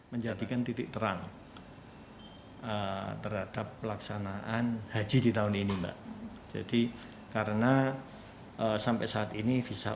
menjadikan titik toreng hai hadap pelaksanaan haji ditanungin mbak jadi karena sampai saat ini bisa